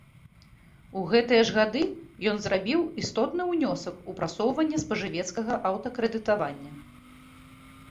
У гэтыя ж гады ён зрабіў істотны ўнёсак у прасоўванне спажывецкага аўтакрэдытавання.